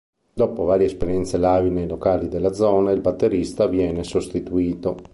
Dopo varie esperienze live nei locali della zona il batterista viene sostituito.